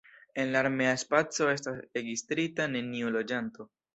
En la armea spaco estas registrita neniu loĝanto.